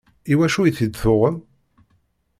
Iwacu i t-id-tuɣem?